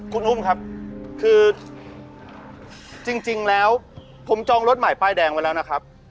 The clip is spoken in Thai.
คุณอุ้มครับคือจริงแล้วผมจองรถใหม่ป้ายแดงไว้แล้วนะครับ